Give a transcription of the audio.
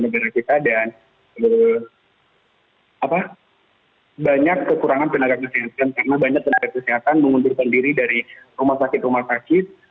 dan banyak kekurangan tenaga kesehatan karena banyak tenaga kesehatan mengundurkan diri dari rumah sakit rumah sakit